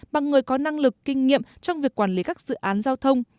bằng người có năng lực kinh nghiệm trong việc quản lý các dự án giao thông